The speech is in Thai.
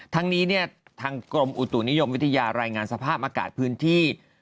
ทั้งนี้เนี่ยทางกรมอุตุนิยมวิทยารายงานสภาพอากาศพื้นที่